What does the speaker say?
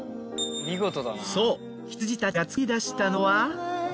そう羊たちが作り出したのは。